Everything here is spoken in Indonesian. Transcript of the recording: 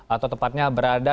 atau tepatnya berada